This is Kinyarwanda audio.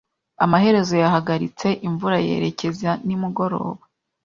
Amaherezo yahagaritse imvura yerekeza nimugoroba.